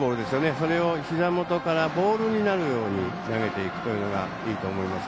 それをひざ元からボールになるように投げていくのがいいと思います。